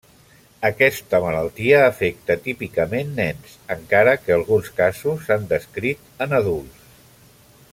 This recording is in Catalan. Aquesta malaltia afecta típicament nens, encara que alguns casos s'han descrit en adults.